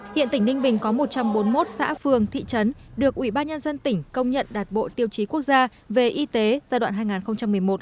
hiện tỉnh ninh bình có một trăm bốn mươi một xã phường thị trấn được ủy ban nhân dân tỉnh công nhận đạt bộ tiêu chí quốc gia về y tế giai đoạn hai nghìn một mươi sáu hai nghìn hai mươi